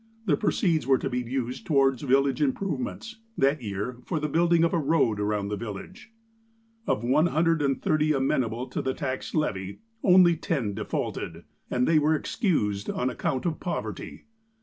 The proceeds were to be used towards village improvements ; that year for the building of a road around the village. Of one hundred and thirty amenable to the tax levy, only ten defaulted, and they were excused on account of poverty.